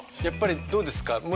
やっぱりどうですか？